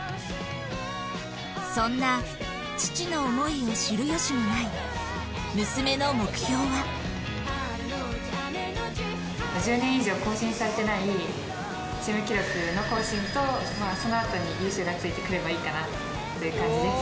そんな父の思いを知る由もない１０年以上更新されてないチーム記録の更新とそのあとに優勝がついてくればいいかなという感じです。